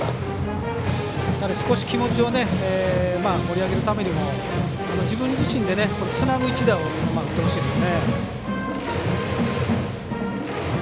少し気持ちを盛り上げるためにも自分自身でつなぐ１打を打ってほしいですね。